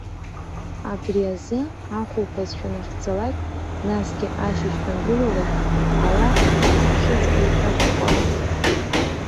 Абри азы, ахәылԥаз шәанахьӡалак, насгьы ашьыжь шәангылалак, Аллаҳ ирҽхәаԥхьыӡ еиҭашәхәала.